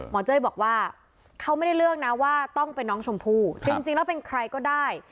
เจ้ยบอกว่าเขาไม่ได้เลือกนะว่าต้องเป็นน้องชมพู่จริงแล้วเป็นใครก็ได้